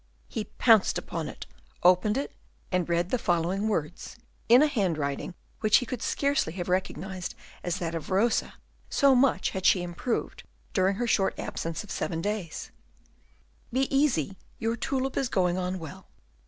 He pounced upon it, opened it, and read the following words, in a handwriting which he could scarcely have recognized as that of Rosa, so much had she improved during her short absence of seven days, "Be easy; your tulip is going on well."